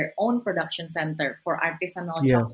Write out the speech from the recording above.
pusat produksi sendiri untuk